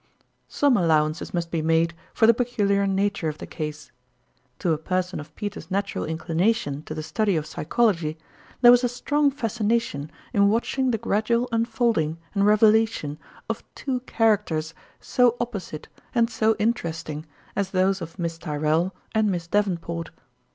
Some allowances must be made for the pe culiar nature of the case. To a person of Pe ter's natural inclination to the study of psy chology, there was a strong fascination in watching the gradual unfolding and revelation of two characters so opposite and so interest ing as those of Miss Tyrrell and Miss Daven port.